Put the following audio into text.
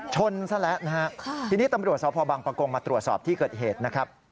ชนซะแล้วนะฮะทีนี้ตำรวจสพบังปะกงมาตรวจสอบที่เกิดเหตุนะครับ